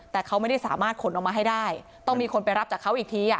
แต่เขาไม่ได้สามารถขนออกมาให้ได้ต้องมีคนไปรับจากเขาอีกที